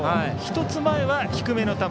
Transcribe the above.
１つ前は低めの球。